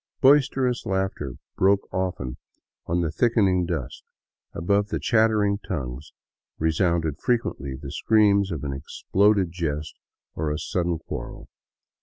Boisterous laughter broke often on the thickening dusk; above the chattering tongues resounded frequently the screams of an exploded jest or a sudden quarrel.